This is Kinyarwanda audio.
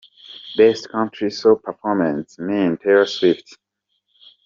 Best Country Solo Performance – Mean, Taylor Swift.